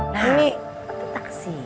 nah ini betul tak sih